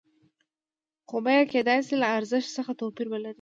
خو بیه کېدای شي له ارزښت څخه توپیر ولري